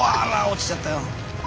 落ちちゃったよ！